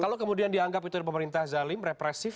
kalau kemudian dianggap itu pemerintah zalim represif